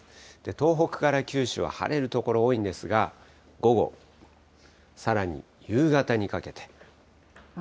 東北から九州は晴れる所多いんですが、午後、さらに夕方にかけて。